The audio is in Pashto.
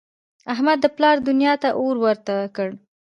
احمد د پلار دونیا ته اور ورته کړ.